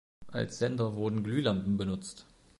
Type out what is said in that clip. Als Sender wurden Glühlampen benutzt.